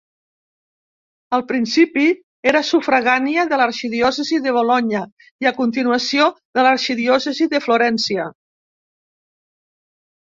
Al principi era sufragània de l'arxidiòcesi de Bolonya i, a continuació, de l'arxidiòcesi de Florència.